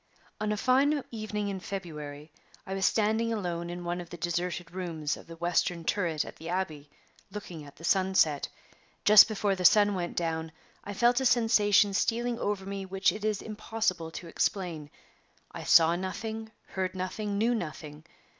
"On a fine evening in February I was standing alone in one of the deserted rooms of the western turret at the Abbey, looking at the sunset. Just before the sun went down I felt a sensation stealing over me which it is impossible to explain. I saw nothing, heard nothing, knew nothing.